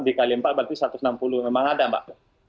dikali empat berarti satu ratus enam puluh memang ada mbak